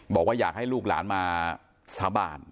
บอกว่าอยากให้ลูกหลานมาสาบาน